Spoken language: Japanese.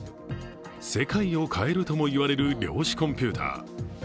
世界を変えるとも言われる量子コンピューター。